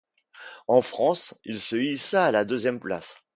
En France il se hissa à la deuxième place.